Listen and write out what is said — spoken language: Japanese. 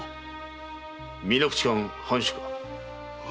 水口藩藩主か？